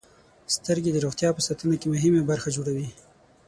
• سترګې د روغتیا په ساتنه کې مهمه برخه جوړوي.